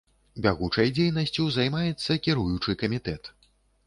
Бягучай дзейнасцю займаецца кіруючы камітэт.